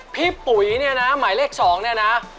พี่ปุ๋ยนี่นะหมายเลข๒นี่นะ